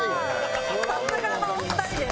さすがのお二人です。